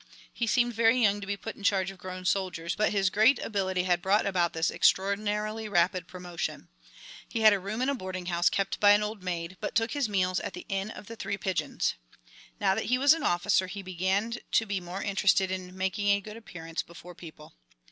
He seemed very young to be put in charge of grown soldiers, but his great ability had brought about this extraordinarily rapid promotion. He had a room in a boarding house kept by an old maid, but took his meals at the Inn of the Three Pigeons. Now that he was an officer he began to be more interested in making a good appearance before people.